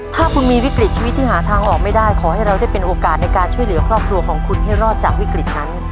ถ้าคุณมีวิกฤตชีวิตที่หาทางออกไม่ได้ขอให้เราได้เป็นโอกาสในการช่วยเหลือครอบครัวของคุณให้รอดจากวิกฤตนั้น